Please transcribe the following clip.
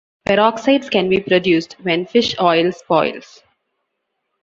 Peroxides can be produced when fish oil spoils.